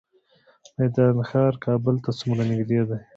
میدان ښار کابل ته څومره نږدې دی؟